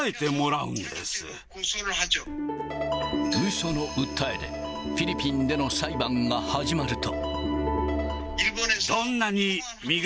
うその訴えで、フィリピンでの裁判が始まると。